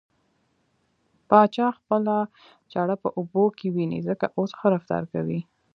پاچا خپله چاړه په اوبو کې وينې ځکه اوس ښه رفتار کوي .